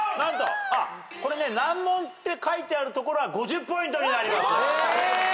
難問って書いてあるところは５０ポイントになります。